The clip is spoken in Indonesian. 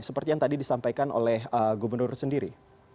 seperti yang tadi disampaikan oleh gubernur sendiri